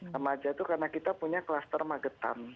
remaja itu karena kita punya kluster magetan